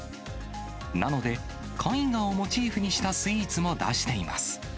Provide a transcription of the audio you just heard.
なので、絵画をモチーフにしたスイーツも出しています。